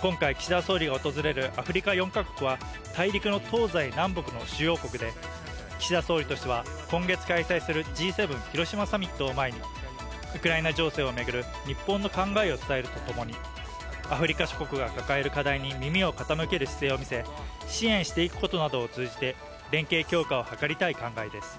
今回岸田総理が訪れるアフリカ４か国は大陸の東西南北の主要国で岸田総理としては今月開催するＧ７広島サミットを前にウクライナ情勢を巡る日本の考えを伝えるとともにアフリカ諸国が抱える課題に耳を傾ける姿勢を見せ、支援していくことなどを通じて連携強化を図りたい考えです。